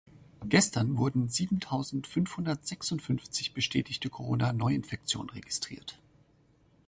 Gestern wurden siebentausendfünfhundertsechsundfünfzig bestätigte Corona Neuinfektionen registriert.